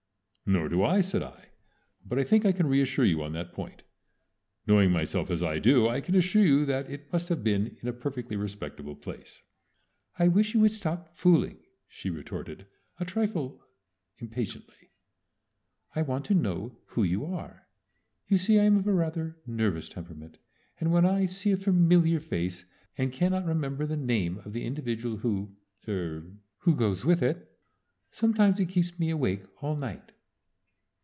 "Nor do I," said I, "but I think I can reassure you on that point. Knowing myself as I do I can assure you that it must have been in a perfectly respectable place." "I wish you would stop fooling," she retorted, a trifle impatiently. "I want to know who you are. You see I'm of a rather nervous temperament, and when I see a familiar face and cannot remember the name of the individual who er who goes with it, sometimes it keeps me awake all night."